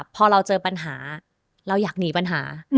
พอเราเจอปัญหาเราอยากหนีปัญหา